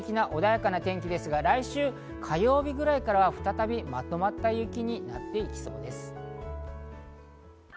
土日は比較的穏やかな天気ですが、来週火曜日ぐらいからは再びまとまった雪になっていきそうです。